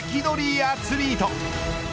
アツリート。